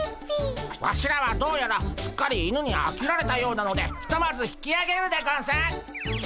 ワシらはどうやらすっかり犬にあきられたようなのでひとまず引きあげるでゴンス。